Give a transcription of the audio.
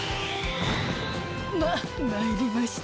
ままいりました。